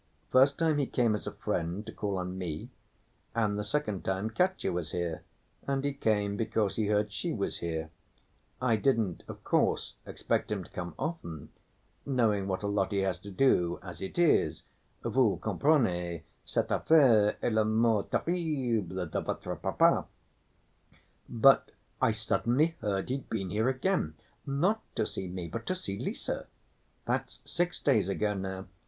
First time he came as a friend to call on me, and the second time Katya was here and he came because he heard she was here. I didn't, of course, expect him to come often, knowing what a lot he has to do as it is, vous comprenez, cette affaire et la mort terrible de votre papa. But I suddenly heard he'd been here again, not to see me but to see Lise. That's six days ago now.